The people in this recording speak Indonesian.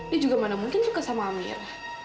dia juga mana mungkin suka sama amir